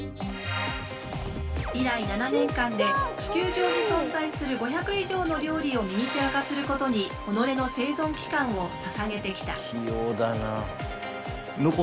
以来７年間で地球上に存在する５００以上の料理をミニチュア化することに己の生存期間をささげてきた。